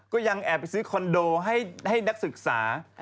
ก็ยังแอบไปซื้อคอนโดให้นักศึกษา